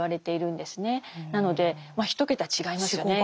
なので一桁違いますよね。